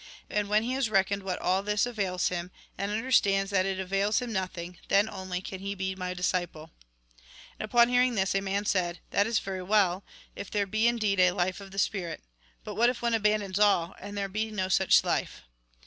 And, when he has reckoned what all this avails him, and understands that it avails him nothing, then only can he be my disciple." And upon hearing this, a man said :" That is veiy well, if there be indeed a life of the spirit. But what if one abandons all, and there be no such life